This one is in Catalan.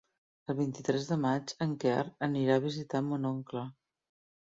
El vint-i-tres de maig en Quer anirà a visitar mon oncle.